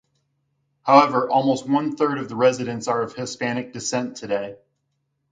However, almost one-third of residents are of Hispanic descent today.